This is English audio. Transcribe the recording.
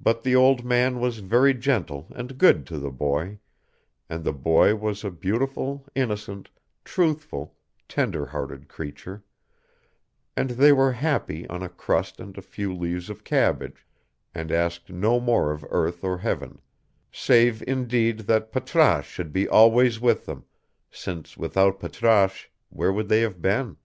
But the old man was very gentle and good to the boy, and the boy was a beautiful, innocent, truthful, tender hearted creature; and they were happy on a crust and a few leaves of cabbage, and asked no more of earth or heaven; save indeed that Patrasche should be always with them, since without Patrasche where would they have been?